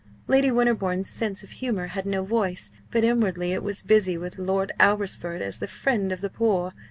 Lady Winterbourne's sense of humour had no voice, but inwardly it was busy with Lord Alresford as the "friend of the poor."